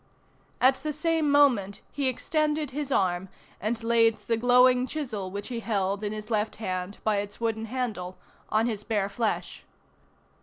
At the same moment he extended his arm, and laid the glowing chisel which he held in his left hand by its wooden handle on his bare flesh.